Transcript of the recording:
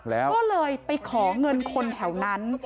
ก็เลยไปของเงินคนแถวนั้น